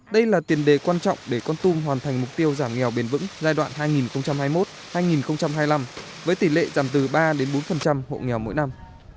đây là tiền đề quan trọng để con tum hoàn thành mục tiêu giảm nghèo bền vững giai đoạn hai nghìn hai mươi một hai nghìn hai mươi năm với tỷ lệ giảm từ ba bốn hộ nghèo mỗi năm